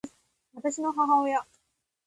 私の母親